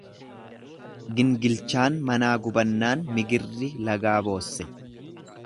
Gingilchaan manaa gubannaan migirri lagaa boosse.